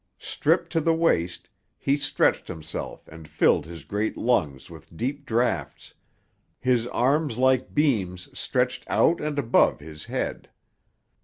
Stripped to the waist he stretched himself and filled his great lungs with deep drafts, his arms like beams stretched out and above his head.